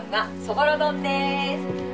そぼろ丼です